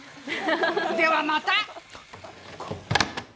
では、また。